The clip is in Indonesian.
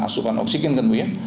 asupan oksigen kan bu ya